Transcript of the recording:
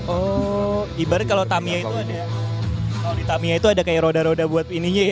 oh ibarat kalau tamiya itu ada kalau di tamiya itu ada kayak roda roda buat ininya ya